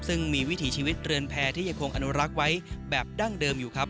ซึ่งมีวิถีชีวิตเรือนแพร่ที่ยังคงอนุรักษ์ไว้แบบดั้งเดิมอยู่ครับ